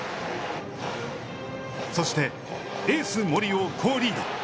そしてエース森を好リード。